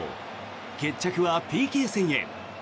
決着はＰＫ戦へ。